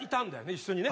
一緒にね。